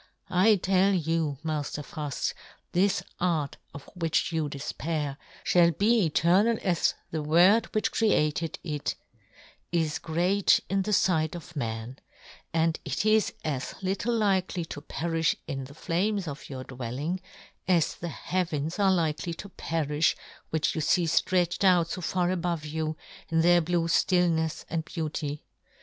I " tell you, Mailer Fuft, this art, of " which you defpair, {hall be eternal " as the word which created it is " great in the fight of men ; and it " is as little likely to perifh in the " flames of your dwelling, as the " heavens are likely to perifh which " you fee flretched out fo far above " you, in their blue ftillnefs and " beauty